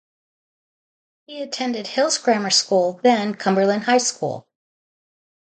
He attended Hills Grammar School then Cumberland High School.